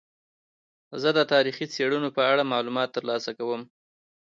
زه د تاریخي څیړنو په اړه معلومات ترلاسه کوم.